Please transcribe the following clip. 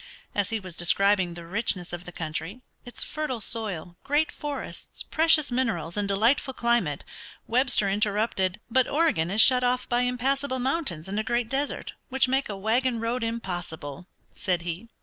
As he was describing the richness of the country, its fertile soil, great forests, precious minerals, and delightful climate, Webster interrupted. "But Oregon is shut off by impassable mountains and a great desert, which make a wagon road impossible," said he.